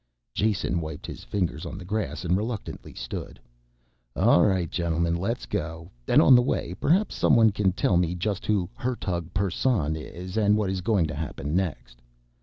Jason wiped his fingers on the grass and reluctantly stood. "All right gentlemen, let's go. And on the way perhaps someone can tell me just who Hertug Persson is and what is going to happen next."